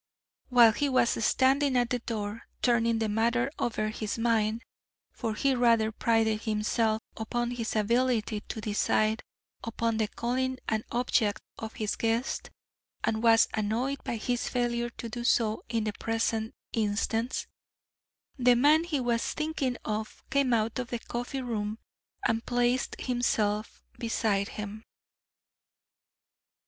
While he was standing at the door, turning the matter over in his mind for he rather prided himself upon his ability to decide upon the calling and object of his guests, and was annoyed by his failure to do so in the present instance the man he was thinking of came out of the coffee room and placed himself beside him.